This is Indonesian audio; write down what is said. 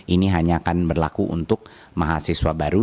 ini akan terlaku untuk mahasiswa baru